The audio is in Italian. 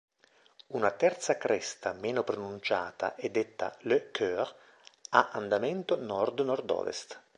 Una terza cresta meno pronunciata e detta "Le Coeur" ha andamento nord-nord-ovest.